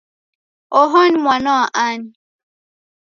Oho ni mwana wa ani?